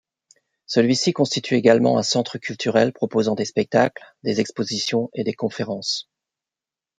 Celui-ci constitue également un centre culturel proposant des spectacles, des expositions et des conférences.